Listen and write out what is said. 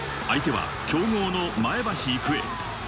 相手は強豪の前橋育英。